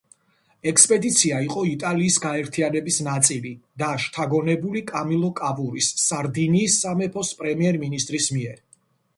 ექსპედიცია იყო იტალიის გაერთიანების ნაწილი და შთაგონებული კამილო კავურის, სარდინიის სამეფოს პრემიერ-მინისტრის მიერ.